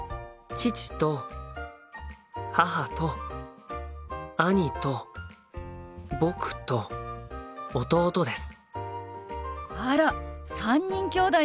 父と母と兄と僕と弟です。